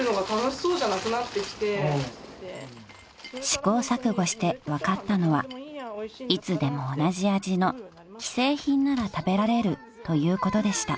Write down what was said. ［試行錯誤して分かったのはいつでも同じ味の既製品なら食べられるということでした］